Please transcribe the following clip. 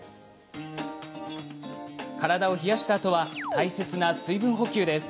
体を冷やしたあとは大切な水分補給です。